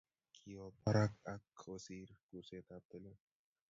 Kiwo barak ak kosir kursetab telel